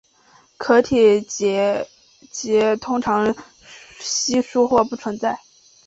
壳体的结节通常稀疏或不存在。